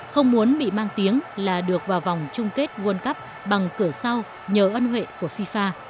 không muốn bị mang tiếng là được vào vòng chung kết world cup bằng cửa sau nhờ ân huệ của fifa